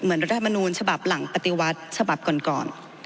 รัฐธรรมนูญฉบับหลังปฏิวัติฉบับก่อน